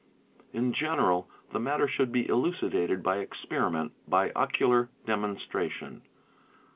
In general, the matter should be elucidated by experiment, by ocular demonstration.